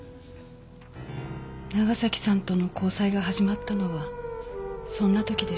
長崎さんとの交際が始まったのはそんな時でした。